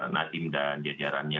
nadiem dan diajarannya